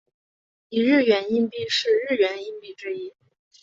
一日圆硬币是日圆硬币之一。